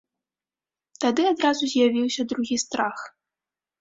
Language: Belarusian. Тады адразу з'явіўся другі страх.